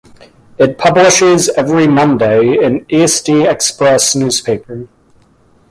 It publishes every Monday in "Eesti Ekspress" newspaper.